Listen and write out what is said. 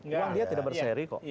memang dia tidak berseri kok